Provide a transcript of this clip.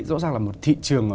rõ ràng là một thị trường